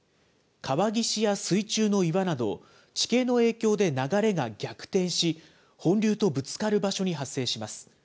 川岸や水中の岩など、地形の影響で流れが逆転し、本流とぶつかる場所に発生します。